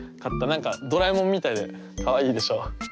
なんかドラえもんみたいでかわいいでしょ。